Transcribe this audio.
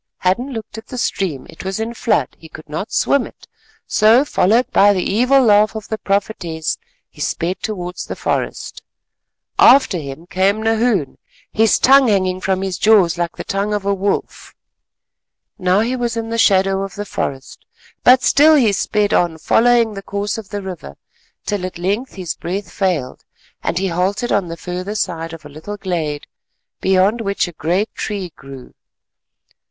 Hadden looked at the stream; it was in flood. He could not swim it, so followed by the evil laugh of the prophetess, he sped towards the forest. After him came Nahoon, his tongue hanging from his jaws like the tongue of a wolf. Now he was in the shadow of the forest, but still he sped on following the course of the river, till at length his breath failed, and he halted on the further side of a little glade, beyond which a great tree grew.